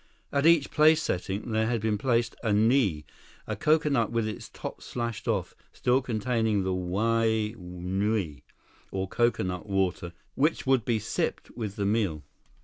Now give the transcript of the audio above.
59 At each place setting, there had been placed a niu, a coconut with its top slashed off, still containing the wai niu, or coconut water, which would be sipped with the meal.